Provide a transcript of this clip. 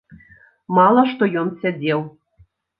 Мала што ён сядзеў.